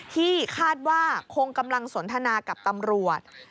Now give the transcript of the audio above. ที่คาดว่าคงกำลังสนทนากับตำรวจ